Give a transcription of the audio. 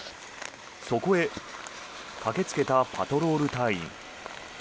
そこへ駆けつけたパトロール隊員。